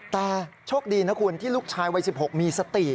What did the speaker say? แต่โชคดีนะคุณที่ลูกชายวัย๑๖มีสติ